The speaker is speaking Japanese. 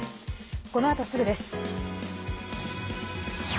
このあと、すぐです。